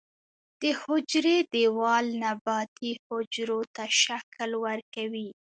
د حجرې دیوال نباتي حجرو ته شکل ورکوي